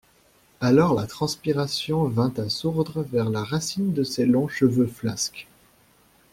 Alors la transpiration vint à sourdre vers la racine de ses longs cheveux flasques.